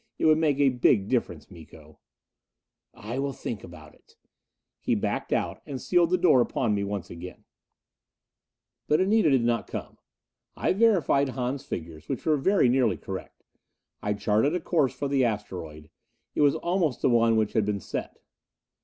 It would make a big difference, Miko." "I will think about it." He backed out and sealed the door upon me once again. But Anita did not come. I verified Hahn's figures, which were very nearly correct. I charted a course for the asteroid; it was almost the one which had been set.